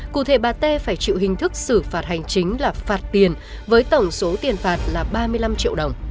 cụ thể bà tê phải chịu hình thức xử phạt hành chính là phạt tiền với tổng số tiền phạt là ba mươi năm triệu đồng